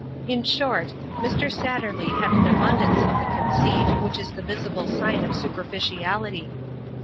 In short, Mr. Satterley had an abundance of the conceit which is the visible sign of superfici ality.